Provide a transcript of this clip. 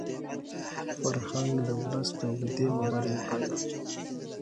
فرهنګ د ولس د اوږدې مبارزې پایله ده.